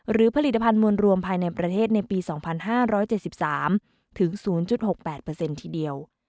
หรือผลิตภัณฑ์มวลรวมภายในประเทศในปี๒๕๗๓ถึง๐๖๘ทีเดียว